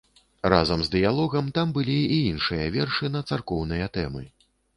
Разам з дыялогам там былі і іншыя вершы на царкоўныя тэмы.